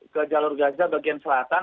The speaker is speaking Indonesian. ke jalur gaza bagian selatan